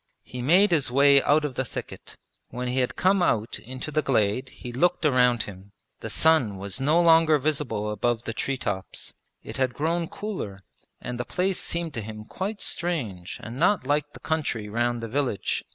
He made his way out of the thicket. When he had come out into the glade he looked around him; the sun was no longer visible above the tree tops. It had grown cooler and the place seemed to him quite strange and not like the country round the village.